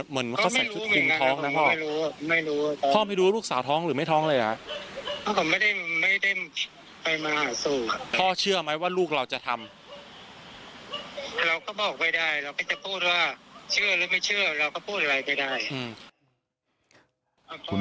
เหมือนเขาใส่คุมท้องนะพ่อเขาไม่รู้เหมือนกันครับไม่รู้ครับพ่อไม่รู้